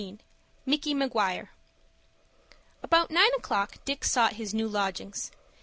MICKY MAGUIRE About nine o'clock Dick sought his new lodgings.